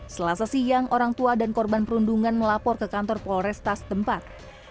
selasa siang orang tua dan korban perundungan melapor ke kantor polresta setempat